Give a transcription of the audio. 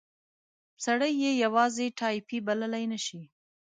سړی یې یوازې ټایپي بللای نه شي.